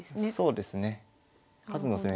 そうですね。